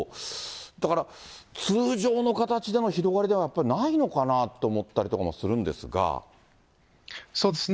だから通常の形での広がりではやっぱりないのかなとも思ったりすそうですね。